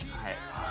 はい。